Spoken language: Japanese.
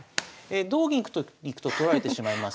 同銀いくと取られてしまいます。